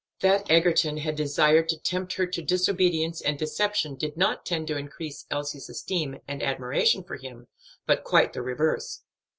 That Egerton had desired to tempt her to disobedience and deception did not tend to increase Elsie's esteem and admiration for him, but quite the reverse.